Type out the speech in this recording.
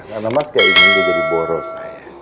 karena mas kayak gini jadi boros aja